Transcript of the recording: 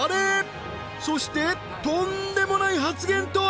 そしてとんでもない発言とは？